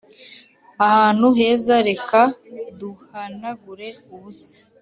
ahantu heza, reka duhanagure ubusa